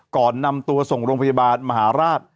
ก่อนนำตัวส่งโรงพยาบาลมหาราช